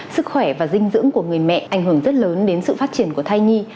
sức khỏe và dinh dưỡng của người mẹ ảnh hưởng rất lớn đến sự phát triển của thai nhi